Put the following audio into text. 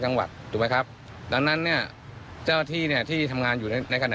ถูกไหมครับดังนั้นเนี่ยเจ้าที่เนี่ยที่ทำงานอยู่ในขณะ